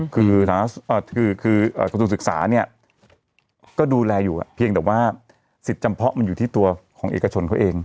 คือกระทรวงศึกษาเนี่ยก็ดูแลอยู่เพียงแต่ว่าสิทธิ์จำเพาะมันอยู่ที่ตัวของเอกชนเขาเอง